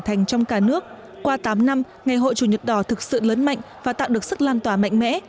thành trong cả nước qua tám năm ngày hội chủ nhật đỏ thực sự lớn mạnh và tạo được sức lan tỏa mạnh mẽ